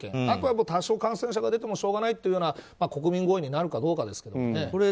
あとは多少感染者が出てもしょうがないというような国民合意になるかどうかですけどね。